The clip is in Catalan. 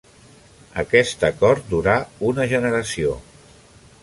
Aquest acord durà una generació.